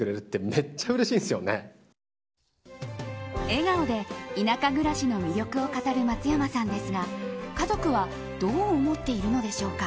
笑顔で田舎暮らしの魅力を語る松山さんですが家族はどう思っているのでしょうか。